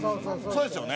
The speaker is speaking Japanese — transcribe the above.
そうですよね。